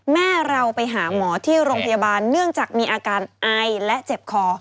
แม่เราไปหาหมอที่โรงพยาบาลเนื่องจากมีอาการไอและเจ็บคอ